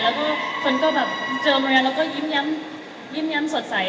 แล้วฝนก็แบบเจอเมรยาแล้วก็ยิ้มแย้มยิ้มแย้มสดใส